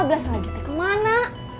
lima belas lagi teh kemana